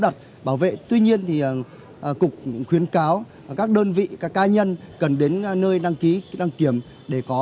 đặt bảo vệ tuy nhiên thì cục khuyến cáo các đơn vị các cá nhân cần đến nơi đăng ký đăng kiểm để có